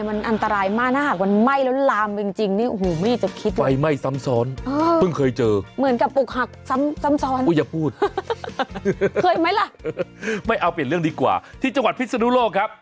เคยไหมล่ะไม่เอาเปลี่ยนเรื่องดีกว่าที่จังหวัดพิษฎุโลกครับ